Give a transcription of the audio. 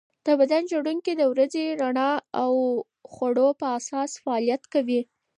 د بدن ژوڼکې د ورځني رڼا او خوړو په اساس فعالیت کوي.